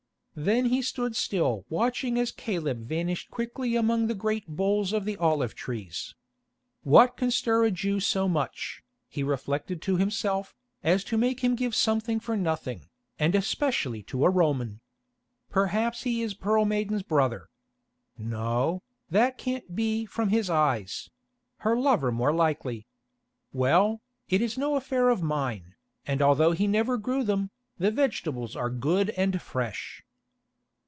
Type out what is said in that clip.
Then he stood still watching as Caleb vanished quickly among the great boles of the olive trees. "What can stir a Jew so much," he reflected to himself, "as to make him give something for nothing, and especially to a Roman? Perhaps he is Pearl Maiden's brother. No, that can't be from his eyes—her lover more likely. Well, it is no affair of mine, and although he never grew them, the vegetables are good and fresh."